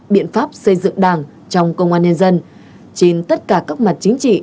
biện pháp xây dựng đảng trong công an nhân dân trên tất cả các mặt chính trị